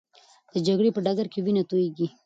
د جګړې په ډګر کې وینه تویېږي.